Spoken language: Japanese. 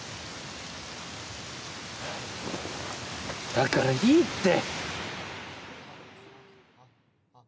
だからいいって！